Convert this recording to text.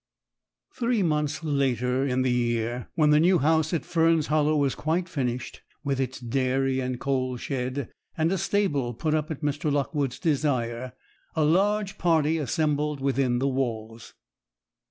Three months later in the year, when the new house at Fern's Hollow was quite finished, with its dairy and coal shed, and a stable put up at Mr. Lockwood's desire, a large party assembled within the walls.